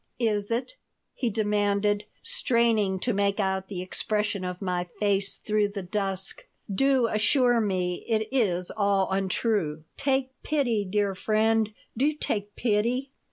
"Is it?" he demanded, straining to make out the expression of my face through the dusk. "Do assure me it is all untrue. Take pity, dear friend. Do take pity."